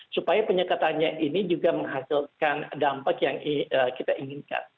supaya penyekatannya ini juga menghasilkan dampak yang kita inginkan